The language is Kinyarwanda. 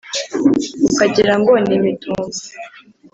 ukagirango n’imitumba